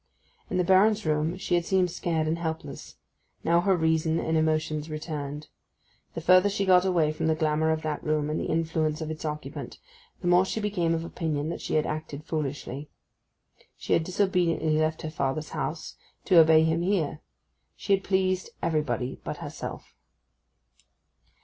In the Baron's room she had seemed scared and helpless; now her reason and emotions returned. The further she got away from the glamour of that room, and the influence of its occupant, the more she became of opinion that she had acted foolishly. She had disobediently left her father's house, to obey him here. She had pleased everybody but herself.